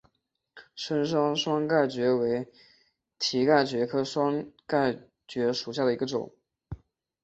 深山双盖蕨为蹄盖蕨科双盖蕨属下的一个种。